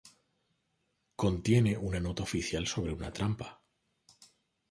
Contiene una nota oficial sobre una trampa.